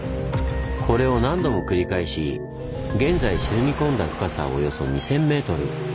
これを何度も繰り返し現在沈み込んだ深さはおよそ２，０００ｍ。